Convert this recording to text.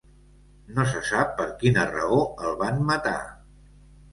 No se sap per quina raó el van matar.